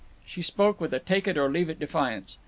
She spoke with a take it or leave it defiance.